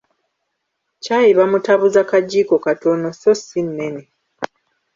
Caayi bamutabuza kagiiko katono so si nnene.